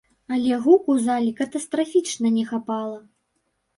Але гуку зале катастрафічна не хапала.